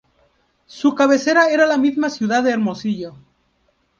Su cabecera era la misma ciudad de Hermosillo.